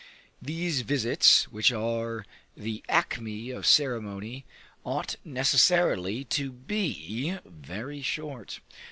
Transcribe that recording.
These visits, which are the acme of ceremony, ought necessarily to be very short.